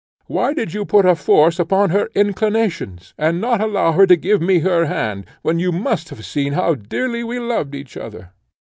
Why did you put a force upon her inclinations, and not allow her to give me her hand, when you must have seen how dearly we loved each other?